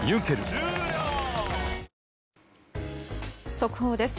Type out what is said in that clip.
速報です。